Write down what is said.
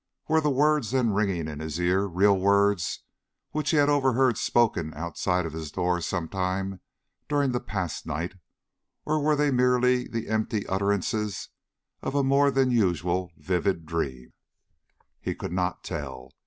Were the words then ringing in his ears, real words, which he had overheard spoken outside of his door some time during the past night, or were they merely the empty utterances of a more than usually vivid dream? He could not tell.